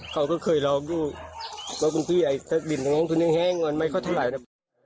เขาก็เคยรอดูบอกว่าพี่ไอ้เทศดินดูดแห้งไม่เขาเท่าไรนะ